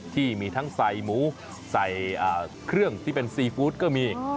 ที่มีทั้งใส่หมูใส่เครื่องที่เป็นซีฟู้ดก็มี